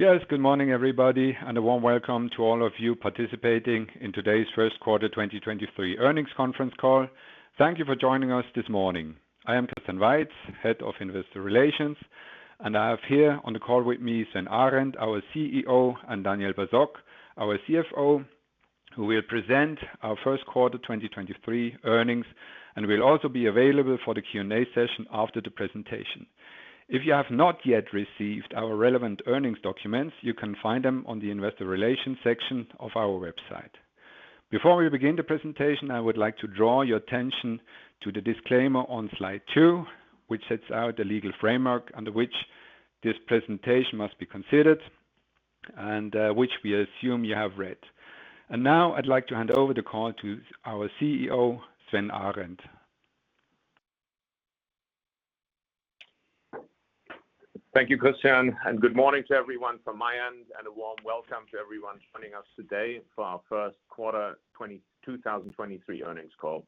Yes, good morning, everybody, and a warm welcome to all of you participating in today's first quarter 2023 earnings conference call. Thank you for joining us this morning. I am Christian Weiz, Head of Investor Relations, and I have here on the call with me Sven Arend, our CEO, and Daniel Basok, our CFO, who will present our first quarter 2023 earnings and will also be available for the Q&A session after the presentation. If you have not yet received our relevant earnings documents, you can find them on the Investor Relations section of our website. Before we begin the presentation, I would like to draw your attention to the disclaimer on slide two, which sets out the legal framework under which this presentation must be considered and which we assume you have read. Now I'd like to hand over the call to our CEO, Sven Arend. Thank you, Christian. Good morning to everyone from my end, and a warm welcome to everyone joining us today for our first quarter 2023 earnings call.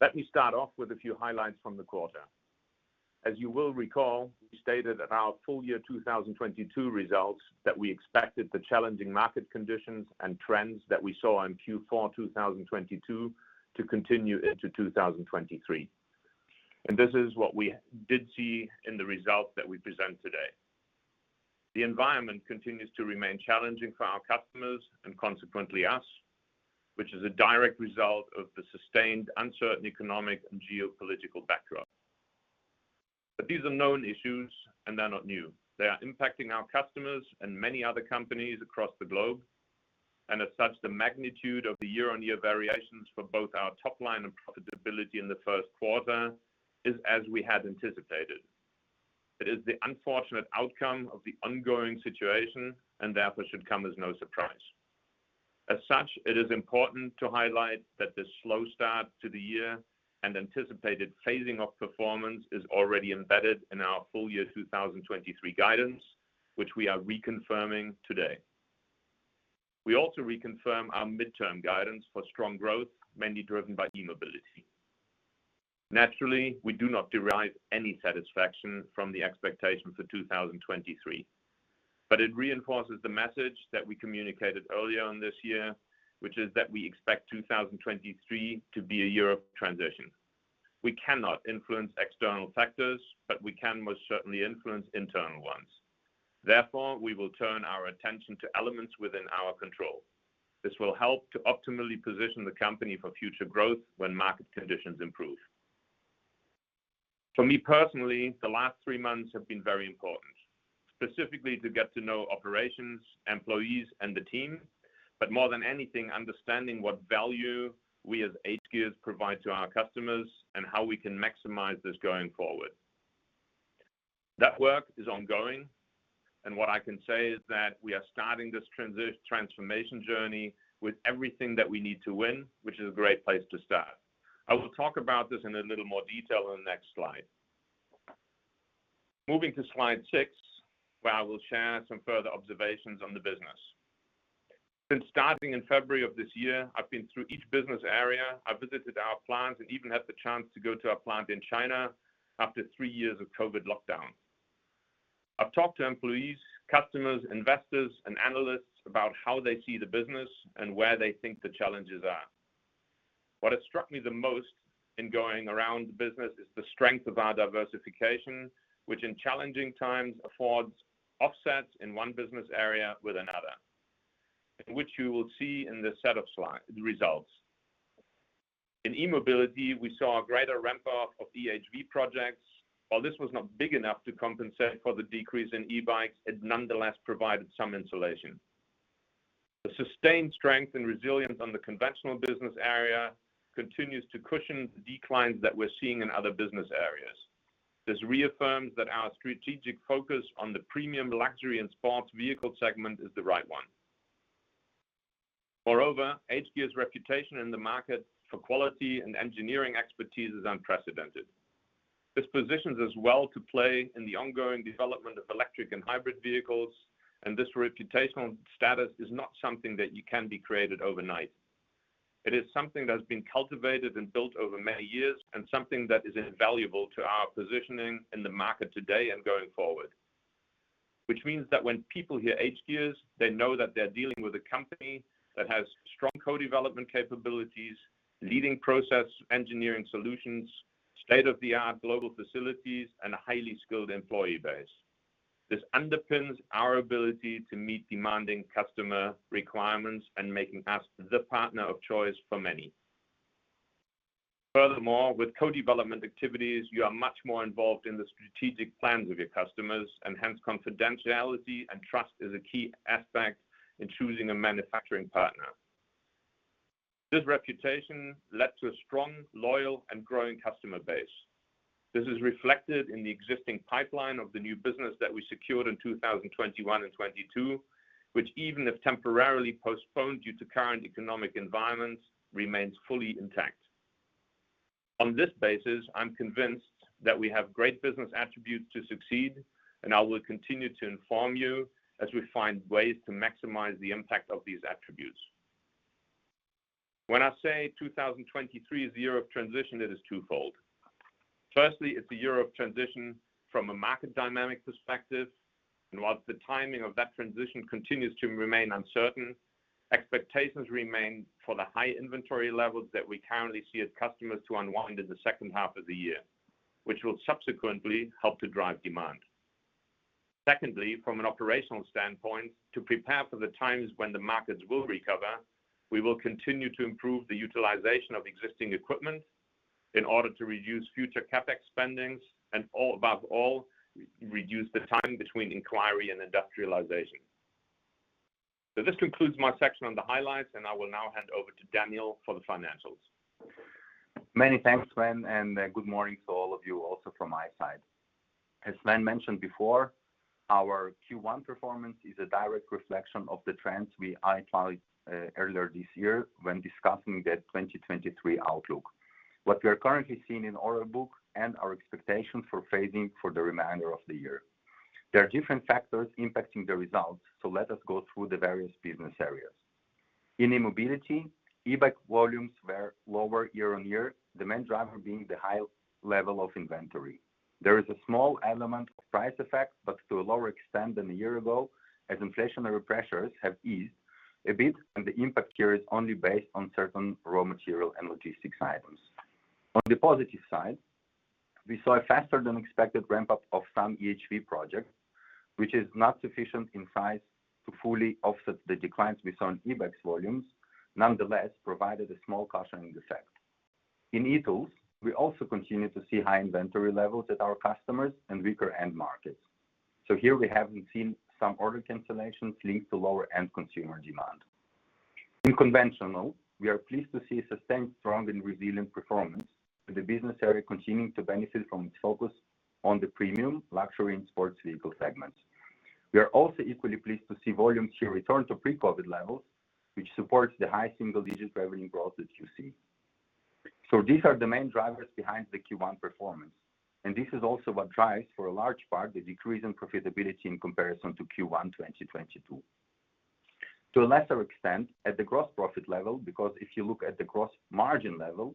Let me start off with a few highlights from the quarter. As you will recall, we stated in our full year 2022 results that we expected the challenging market conditions and trends that we saw in Q4 2022 to continue into 2023. This is what we did see in the results that we present today. The environment continues to remain challenging for our customers and consequently us, which is a direct result of the sustained uncertain economic and geopolitical backdrop. These are known issues, and they're not new. They are impacting our customers and many other companies across the globe, as such, the magnitude of the year-on-year variations for both our top line and profitability in the first quarter is as we had anticipated. It is the unfortunate outcome of the ongoing situation and therefore should come as no surprise. As such, it is important to highlight that this slow start to the year and anticipated phasing of performance is already embedded in our full year 2023 guidance, which we are reconfirming today. We also reconfirm our midterm guidance for strong growth, mainly driven by e-mobility. Naturally, we do not derive any satisfaction from the expectation for 2023, it reinforces the message that we communicated earlier on this year, which is that we expect 2023 to be a year of transition. We cannot influence external factors, but we can most certainly influence internal ones. We will turn our attention to elements within our control. This will help to optimally position the company for future growth when market conditions improve. For me personally, the last three months have been very important, specifically to get to know operations, employees, and the team, but more than anything, understanding what value we as hGears provide to our customers and how we can maximize this going forward. That work is ongoing, and what I can say is that we are starting this transformation journey with everything that we need to win, which is a great place to start. I will talk about this in a little more detail in the next slide. Moving to slide six, where I will share some further observations on the business. Since starting in February of this year, I've been through each business area. I visited our plants and even had the chance to go to our plant in China after three years of COVID lockdown. I've talked to employees, customers, investors, and analysts about how they see the business and where they think the challenges are. What has struck me the most in going around the business is the strength of our diversification, which in challenging times affords offsets in one business area with another, which you will see in this set of slide results. In e-mobility, we saw a greater ramp up of EHV projects. While this was not big enough to compensate for the decrease in e-bikes, it nonetheless provided some insulation. The sustained strength and resilience on the conventional business area continues to cushion the declines that we're seeing in other business areas. This reaffirms that our strategic focus on the premium luxury and sports vehicle segment is the right one. Moreover, hGears' reputation in the market for quality and engineering expertise is unprecedented. This positions us well to play in the ongoing development of electric and hybrid vehicles, and this reputational status is not something that you can be created overnight. It is something that has been cultivated and built over many years and something that is invaluable to our positioning in the market today and going forward. Which means that when people hear hGears, they know that they're dealing with a company that has strong co-development capabilities, leading process engineering solutions, state-of-the-art global facilities, and a highly skilled employee base. This underpins our ability to meet demanding customer requirements and making us the partner of choice for many. Furthermore, with co-development activities, you are much more involved in the strategic plans of your customers and hence confidentiality and trust is a key aspect in choosing a manufacturing partner. This reputation led to a strong, loyal, and growing customer base. This is reflected in the existing pipeline of the new business that we secured in 2021 and 22, which even if temporarily postponed due to current economic environments, remains fully intact. On this basis, I'm convinced that we have great business attributes to succeed, and I will continue to inform you as we find ways to maximize the impact of these attributes. When I say 2023 is the year of transition, it is twofold. Firstly, it's the year of transition from a market dynamic perspective. Whilst the timing of that transition continues to remain uncertain, expectations remain for the high inventory levels that we currently see as customers to unwind in the second half of the year, which will subsequently help to drive demand. Secondly, from an operational standpoint, to prepare for the times when the markets will recover, we will continue to improve the utilization of existing equipment in order to reduce future CapEx spendings, above all, reduce the time between inquiry and industrialization. This concludes my section on the highlights. I will now hand over to Daniel for the financials. Many thanks, Sven, and good morning to all of you also from my side. As Sven mentioned before, our Q1 performance is a direct reflection of the trends we outlined earlier this year when discussing that 2023 outlook. What we are currently seeing in order book and our expectations for phasing for the remainder of the year. There are different factors impacting the results. Let us go through the various business areas. In e-mobility, e-bike volumes were lower year-on-year, the main driver being the high level of inventory. There is a small element of price effect, but to a lower extent than a year ago, as inflationary pressures have eased a bit and the impact here is only based on certain raw material and logistics items. On the positive side, we saw a faster than expected ramp-up of some EHV projects, which is not sufficient in size to fully offset the declines we saw in e-bikes volumes, nonetheless, provided a small cushioning effect. In e-tools, we also continue to see high inventory levels at our customers and weaker end markets. Here we have seen some order cancellations linked to lower end consumer demand. In conventional, we are pleased to see sustained strong and resilient performance with the business area continuing to benefit from its focus on the premium luxury and sports vehicle segments. We are also equally pleased to see volumes here return to pre-COVID levels, which supports the high single-digit revenue growth that you see. These are the main drivers behind the Q1 performance, and this is also what drives for a large part the decrease in profitability in comparison to Q1 2022. To a lesser extent at the gross profit level, because if you look at the gross margin level,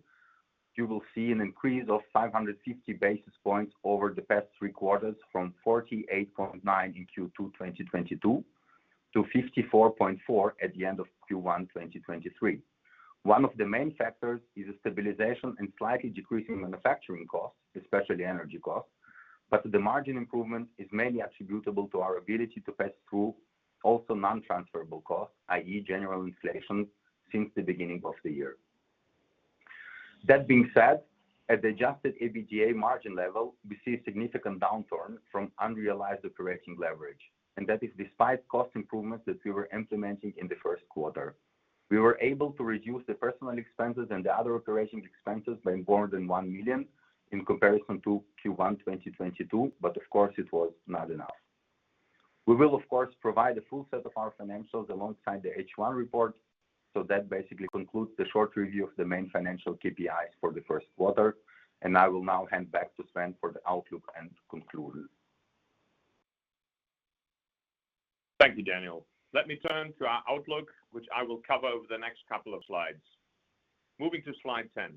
you will see an increase of 550 basis points over the past three quarters from 48.9 in Q2 2022 to 54.4 at the end of Q1 2023. One of the main factors is a stabilization and slightly decrease in manufacturing costs, especially energy costs, but the margin improvement is mainly attributable to our ability to pass through also non-transferable costs, i.e. general inflation since the beginning of the year. That being said, at the adjusted EBITDA margin level, we see a significant downturn from unrealized operating leverage, and that is despite cost improvements that we were implementing in the first quarter. We were able to reduce the personal expenses and the other operational expenses by more than 1 million in comparison to Q1 2022, but of course, it was not enough. We will of course, provide a full set of our financials alongside the H1 report. That basically concludes the short review of the main financial KPIs for the first quarter, and I will now hand back to Sven for the outlook and to conclude. Thank you, Daniel. Let me turn to our outlook, which I will cover over the next couple of slides. Moving to slide 10.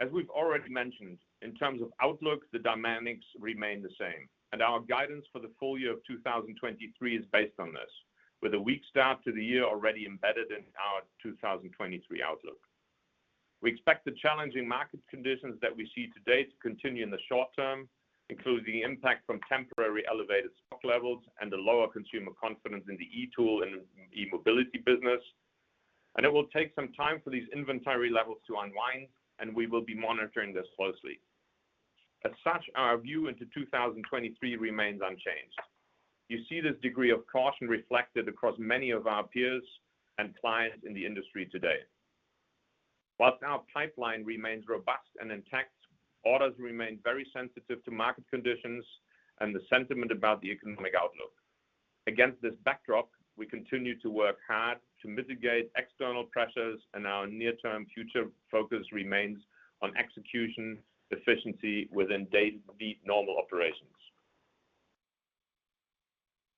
As we've already mentioned, in terms of outlook, the dynamics remain the same, our guidance for the full year of 2023 is based on this. With a weak start to the year already embedded in our 2023 outlook. We expect the challenging market conditions that we see today to continue in the short term, including the impact from temporary elevated stock levels and the lower consumer confidence in the e-tool and e-mobility business. It will take some time for these inventory levels to unwind, and we will be monitoring this closely. As such, our view into 2023 remains unchanged. You see this degree of caution reflected across many of our peers and clients in the industry today. Whilst our pipeline remains robust and intact, orders remain very sensitive to market conditions and the sentiment about the economic outlook. Against this backdrop, we continue to work hard to mitigate external pressures, and our near-term future focus remains on execution efficiency within these normal operations.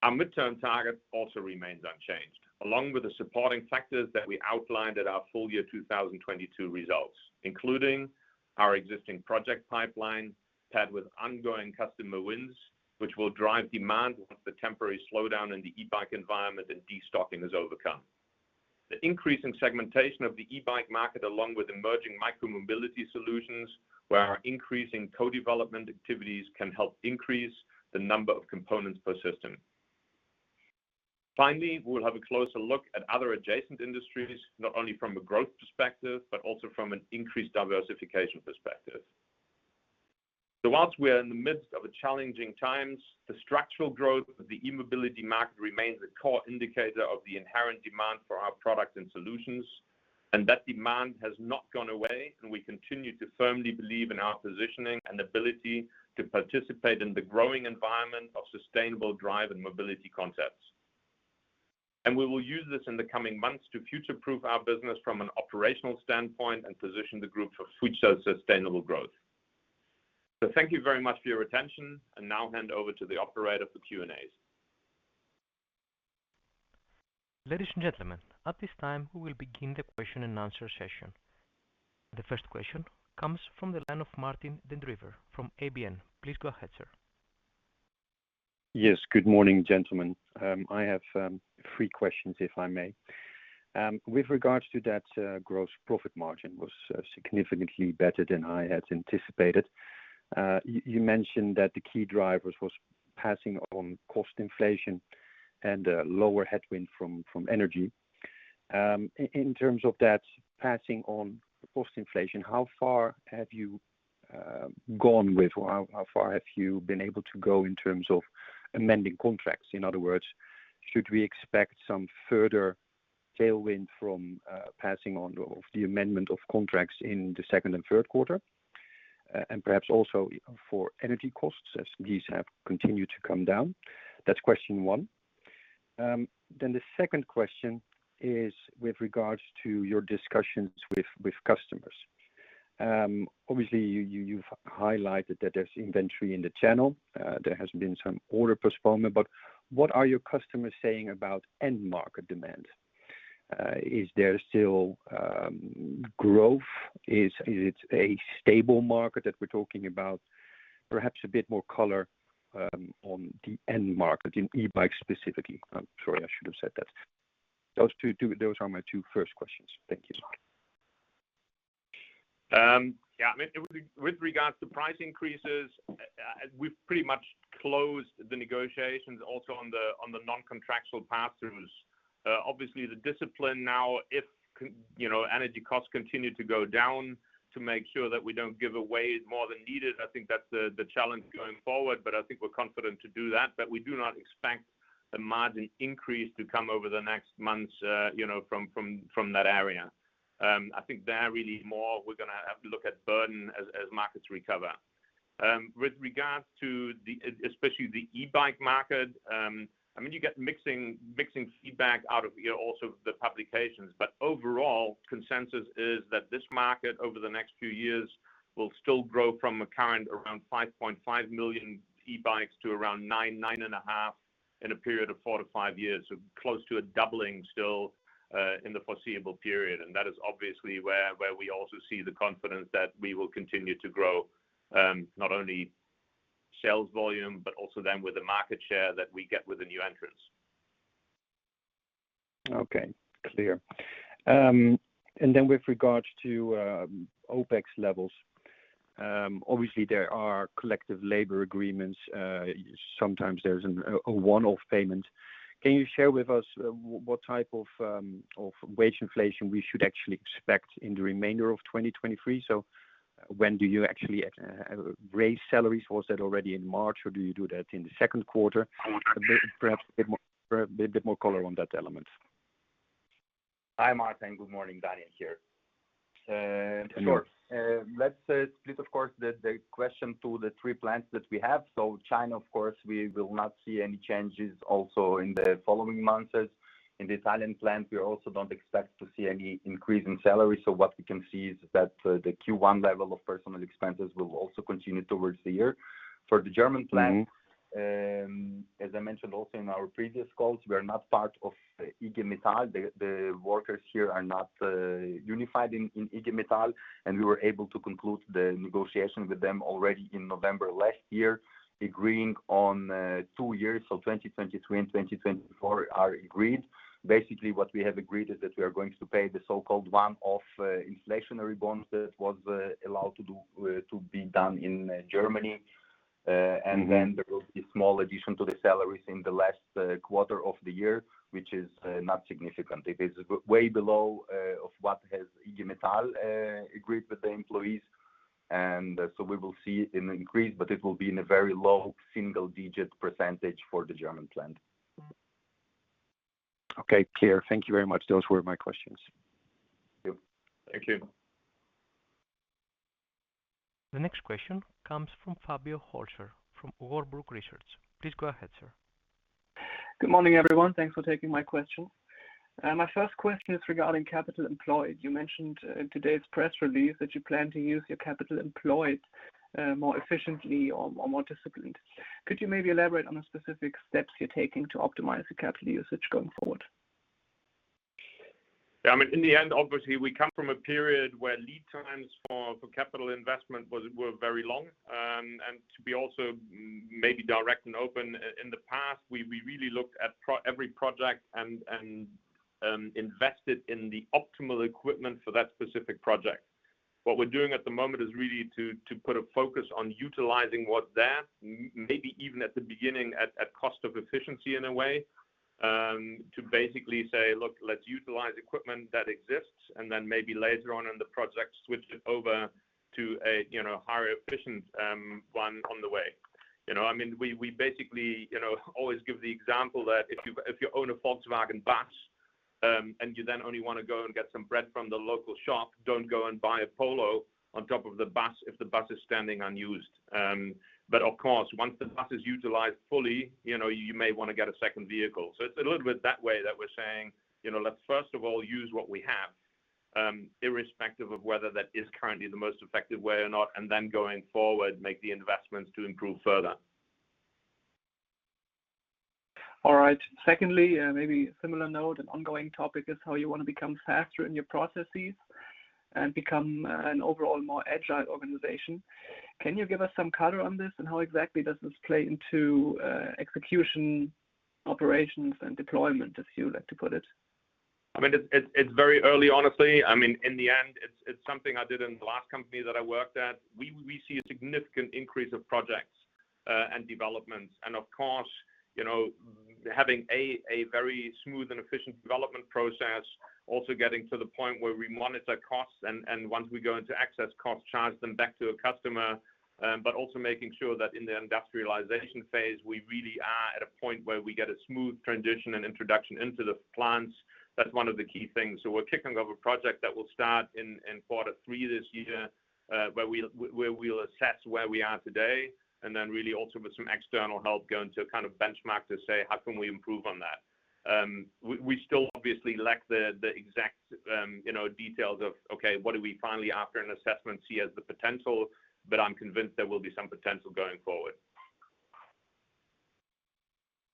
Our midterm target also remains unchanged, along with the supporting factors that we outlined at our full year 2022 results, including our existing project pipeline paired with ongoing customer wins, which will drive demand once the temporary slowdown in the e-bike environment and destocking is overcome. The increase in segmentation of the e-bike market, along with emerging micro-mobility solutions, where our increase in co-development activities can help increase the number of components per system. Finally, we will have a closer look at other adjacent industries, not only from a growth perspective, but also from an increased diversification perspective. Whilst we are in the midst of challenging times, the structural growth of the e-mobility market remains a core indicator of the inherent demand for our products and solutions, and that demand has not gone away, and we continue to firmly believe in our positioning and ability to participate in the growing environment of sustainable drive and mobility concepts. We will use this in the coming months to future-proof our business from an operational standpoint and position the group for future sustainable growth. Thank you very much for your attention, and now hand over to the operator for Q&As. Ladies and gentlemen, at this time, we will begin the question and answer session. The first question comes from the line of Martin Den Drijver from ABN. Please go ahead, sir. Yes. Good morning, gentlemen. I have three questions, if I may. With regards to that, gross profit margin was significantly better than I had anticipated. You mentioned that the key drivers was passing on cost inflation and lower headwind from energy. In terms of that passing on cost inflation, how far have you gone with, or how far have you been able to go in terms of amending contracts? In other words, should we expect some further tailwind from passing on of the amendment of contracts in the second and third quarter, and perhaps also for energy costs as these have continued to come down? That's question one. The second question is with regards to your discussions with customers. Obviously, you've highlighted that there's inventory in the channel. There has been some order postponement. What are your customers saying about end market demand? Is there still growth? Is it a stable market that we're talking about? Perhaps a bit more color on the end market in e-bike specifically. I'm sorry, I should have said that. Those are my two first questions. Thank you. Yeah. I mean, with regards to price increases, we've pretty much closed the negotiations also on the, on the non-contractual pass-throughs. Obviously the discipline now, if you know, energy costs continue to go down, to make sure that we don't give away more than needed, I think that's the challenge going forward. I think we're confident to do that. We do not expect the margin increase to come over the next months, you know, from that area. I think there really more we're gonna have to look at burden as markets recover. With regards to especially the e-bike market, I mean, you get mixing feedback out of, you know, also the publications. Overall, consensus is that this market over the next few years will still grow from a current around 5.5 million e-bikes to around 9 million, 9.5 million e-bikes in a period of four to five years. Close to a doubling still in the foreseeable period. That is obviously where we also see the confidence that we will continue to grow, not only sales volume, but also then with the market share that we get with the new entrants. Okay. Clear. With regards to OpEx levels, obviously, there are collective labor agreements. Sometimes there's a one-off payment. Can you share with us what type of wage inflation we should actually expect in the remainder of 2023? When do you actually raise salaries? Was that already in March, or do you do that in the second quarter? Perhaps a bit more color on that element. Hi, Martin. Good morning. Daniel here. Sure. Let's split, of course, the question to the three plants that we have. China, of course, we will not see any changes also in the following months. In the Thailand plant, we also don't expect to see any increase in salary. What we can see is that the Q1 level of personal expenses will also continue towards the year. For the German plant- Mm-hmm. As I mentioned also in our previous calls, we are not part of IG Metall. The workers here are not unified in IG Metall. We were able to conclude the negotiation with them already in November last year, agreeing on two years. 2023 and 2024 are agreed. Basically, what we have agreed is that we are going to pay the so-called one-off inflationary bonus that was allowed to be done in Germany. Mm-hmm. There will be small addition to the salaries in the last quarter of the year, which is not significant. It is way below of what has IG Metall agreed with the employees. We will see an increase, but it will be in a very low single-digit % for the German plant. Okay. Clear. Thank you very much. Those were my questions. Thank you. Thank you. The next question comes from Fabio Hölscher from Warburg Research. Please go ahead, sir. Good morning, everyone. Thanks for taking my question. My first question is regarding capital employed. You mentioned in today's press release that you plan to use your capital employed more efficiently or more disciplined. Could you maybe elaborate on the specific steps you're taking to optimize the capital usage going forward? Yeah. I mean, in the end, obviously, we come from a period where lead times for capital investment was, were very long. To be also maybe direct and open, in the past, we really looked at every project and invested in the optimal equipment for that specific project. What we're doing at the moment is really to put a focus on utilizing what's there, maybe even at the beginning at cost of efficiency in a way, to basically say, "Look, let's utilize equipment that exists, and then maybe later on in the project, switch it over to a, you know, higher efficient one on the way." I mean, we basically, you know, always give the example that if you own a Volkswagen Bus, and you then only wanna go and get some bread from the local shop, don't go and buy a Polo on top of the bus if the bus is standing unused. Of course, once the bus is utilized fully, you know, you may wanna get a second vehicle. It's a little bit that way that we're saying, you know, let's first of all use what we have, irrespective of whether that is currently the most effective way or not, and then going forward, make the investments to improve further. All right. Secondly, maybe similar note and ongoing topic is how you want to become faster in your processes and become an overall more agile organization. Can you give us some color on this, and how exactly does this play into execution operations and deployment, as you like to put it? I mean, it's very early, honestly. I mean, in the end, it's something I did in the last company that I worked at. We see a significant increase of projects and developments. Of course, you know, having a very smooth and efficient development process, also getting to the point where we monitor costs and once we go into access costs, charge them back to a customer, but also making sure that in the industrialization phase, we really are at a point where we get a smooth transition and introduction into the plants. That's one of the key things. We're kicking off a project that will start in quarter three this year, where we'll assess where we are today and then really also with some external help, go into a kind of benchmark to say, how can we improve on that? We still obviously lack the exact, you know, details of, okay, what do we finally after an assessment see as the potential, but I'm convinced there will be some potential going forward.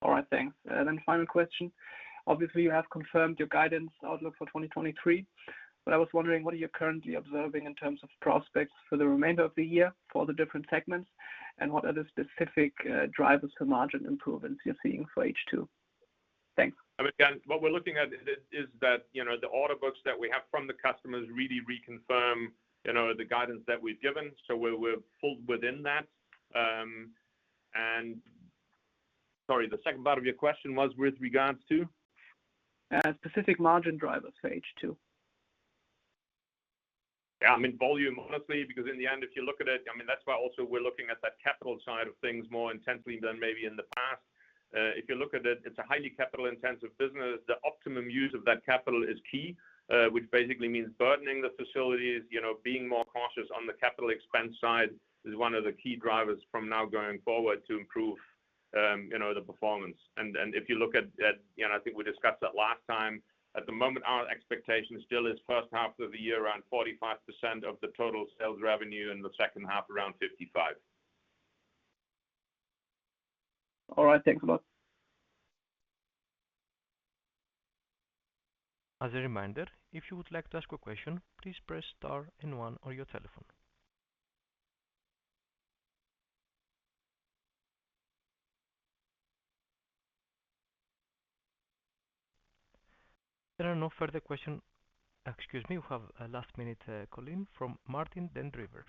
All right, thanks. Final question. Obviously, you have confirmed your guidance outlook for 2023, but I was wondering what are you currently observing in terms of prospects for the remainder of the year for the different segments, and what are the specific drivers to margin improvements you're seeing for H2? Thanks. I mean, again, what we're looking at is that, you know, the order books that we have from the customers really reconfirm, you know, the guidance that we've given. We're full within that. Sorry, the second part of your question was with regards to? Specific margin drivers for H2. Yeah, I mean, volume, honestly, because in the end, if you look at it, I mean, that's why also we're looking at that capital side of things more intensely than maybe in the past. If you look at it's a highly capital-intensive business. The optimum use of that capital is key, which basically means burdening the facilities. You know, being more cautious on the capital expense side is one of the key drivers from now going forward to improve, you know, the performance. If you look at, you know, I think we discussed that last time. At the moment, our expectation still is first half of the year, around 45% of the total sales revenue, and the second half around 55%. All right. Thanks a lot. As a reminder, if you would like to ask a question, please press star and one on your telephone. There are no further question. Excuse me. We have a last-minute call in from Martin Den Drijver.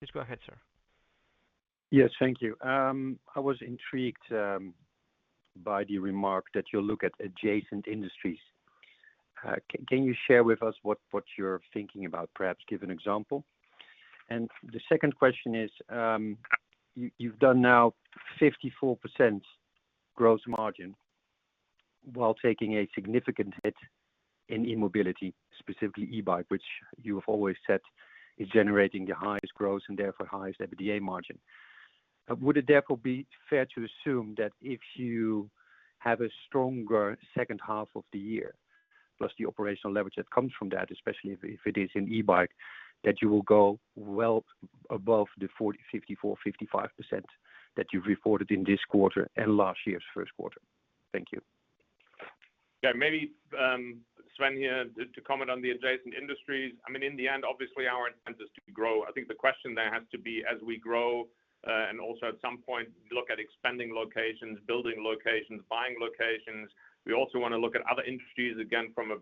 Please go ahead, sir. Yes. Thank you. I was intrigued by the remark that you look at adjacent industries. Can you share with us what you're thinking about? Perhaps give an example. The second question is, you've done now 54% gross margin while taking a significant hit in e-mobility, specifically e-bike, which you have always said is generating the highest growth and therefore highest EBITDA margin. Would it therefore be fair to assume that if you have a stronger second half of the year, plus the operational leverage that comes from that, especially if it is in e-bike, that you will go well above the 40%, 54%, 55% that you've reported in this quarter and last year's first quarter? Thank you. Yeah. Maybe, Sven here to comment on the adjacent industries. I mean, in the end, obviously, our intent is to grow. I think the question there has to be, as we grow, and also at some point, look at expanding locations, building locations, buying locations. We also wanna look at other industries, again, from a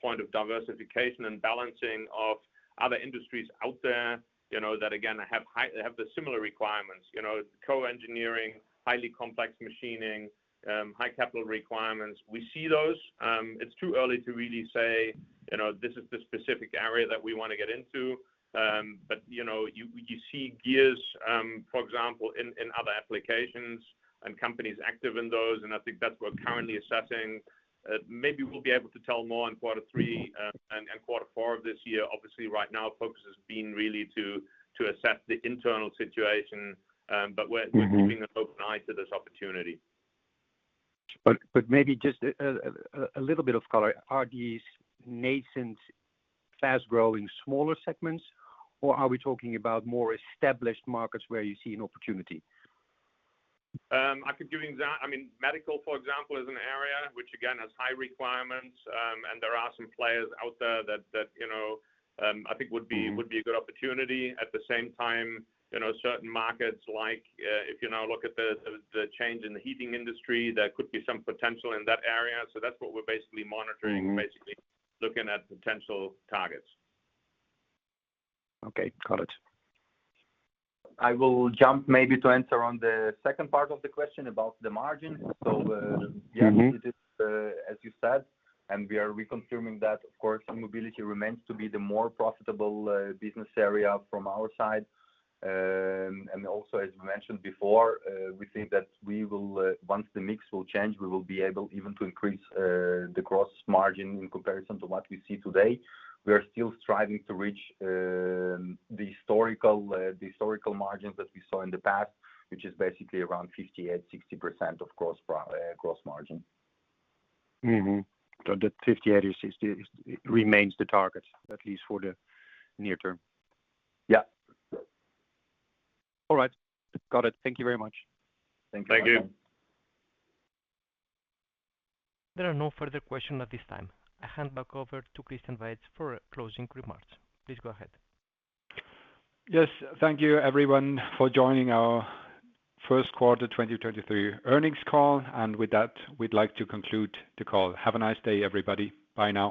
point of diversification and balancing of other industries out there, you know, that again, have the similar requirements. You know, co-engineering, highly complex machining, high capital requirements. We see those. It's too early to really say, you know, this is the specific area that we wanna get into. You know, you see gears, for example, in other applications and companies active in those, and I think that's what currently assessing. Maybe we'll be able to tell more in quarter three, and quarter four of this year. Obviously, right now, focus has been really to assess the internal situation. Mm-hmm. We're keeping an open eye to this opportunity. Maybe just a little bit of color. Are these nascent, fast-growing, smaller segments, or are we talking about more established markets where you see an opportunity? I mean, medical, for example, is an area which again has high requirements. There are some players out there that, you know, I think would be... Mm-hmm. Would be a good opportunity. At the same time, you know, certain markets like, if you now look at the, the change in the heating industry, there could be some potential in that area. That's what we're basically monitoring. Mm-hmm. Basically looking at potential targets. Okay. Got it. I will jump maybe to answer on the second part of the question about the margin. Mm-hmm. It is, as you said, and we are reconfirming that. Of course, e-mobility remains to be the more profitable business area from our side. Also, as mentioned before, we think that we will, once the mix will change, we will be able even to increase the gross margin in comparison to what we see today. We are still striving to reach the historical, the historical margins that we saw in the past, which is basically around 58%-60% of gross margin. Mm-hmm. The 58 or 60 remains the target, at least for the near term? Yeah. All right. Got it. Thank you very much. Thank you. Thank you. There are no further question at this time. I hand back over to Christian Weitz for closing remarks. Please go ahead. Yes. Thank you everyone for joining our first quarter 2023 earnings call. With that, we'd like to conclude the call. Have a nice day, everybody. Bye now.